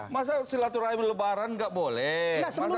masa silaturahmi lebaran gak boleh